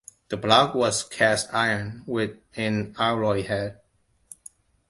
The block was cast iron, with an alloy head.